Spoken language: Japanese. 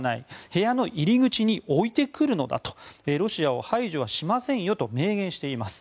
部屋の入り口に置いてくるのだとロシアを排除はしませんよと明言しています。